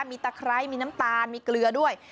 มีตะไคร้มีน้ำตาลมีเกลือด้วย